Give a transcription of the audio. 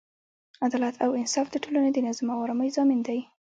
عدالت او انصاف د ټولنې د نظم او ارامۍ ضامن دی.